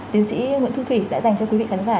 tiến sĩ nguyễn thu thủy đã dành cho quý vị khán giả